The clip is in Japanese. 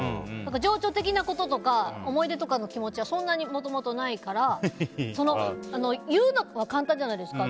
情緒的なこととか、思い出とかそんなにもともとないから言うのは簡単じゃないですか。